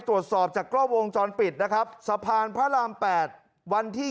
ตรวจสอบจากกล้องวงจรปิดนะครับสะพานพระราม๘วันที่